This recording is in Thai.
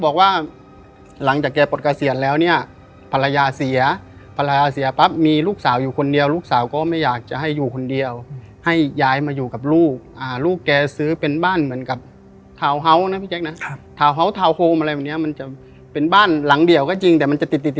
ใครเป็นสายเขียวบ้างที่บ้านแกเผาข้าวหลาม